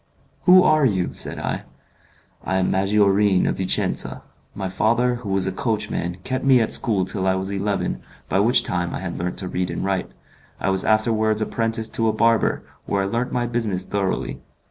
"Who are you?" said I. "I am Maggiorin, of Vicenza. My father, who was a coachman, kept me at school till I was eleven, by which time I had learnt to read and write; I was afterwards apprenticed to a barber, where I learnt my business thoroughly.